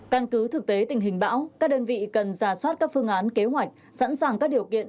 căn cứ thực tế tình hình bão các đơn vị cần giả soát các phương án kế hoạch sẵn sàng các điều kiện